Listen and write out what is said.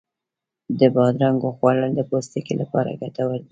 د بادرنګو خوړل د پوستکي لپاره ګټور دی.